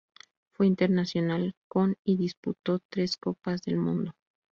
Fue internacional con y disputó tres Copas del Mundo.